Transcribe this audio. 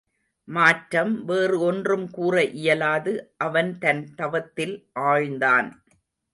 மாற்றம் வேறு ஒன்றும் கூற இயலாது அவன் தன் தவத்தில் ஆழ்ந்தான்.